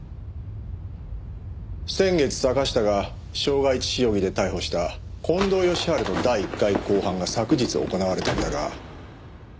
先月坂下が傷害致死容疑で逮捕した近藤義治の第１回公判が昨日行われたんだが。